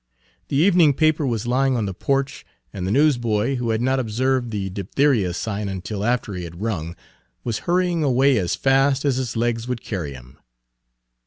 The evening paper was lying on the porch, and the newsboy, who had not observed the diphtheria sign until after he had rung, was hurrying away as fast as his legs would carry him.